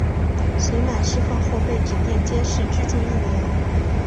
刑满释放后被指定监视居住一年。